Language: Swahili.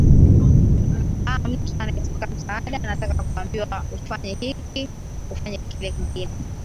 a mtu anayetaka msaada anataka kwambiwa ufanye hiki ufanya kile kingine